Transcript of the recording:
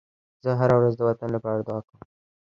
زه هره ورځ د وطن لپاره دعا کوم.